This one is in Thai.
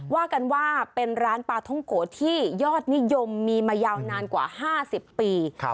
ว่ากันว่าเป็นร้านปลาท้องโกะที่ยอดนิยมมีมายาวนานกว่า๕๐ปี